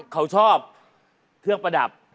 กลุ่มชอบเครื่องประดับ